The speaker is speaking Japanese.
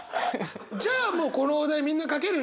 じゃあもうこのお題みんな書けるね！